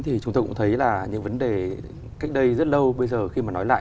thì chúng tôi cũng thấy là những vấn đề cách đây rất lâu bây giờ khi mà nói lại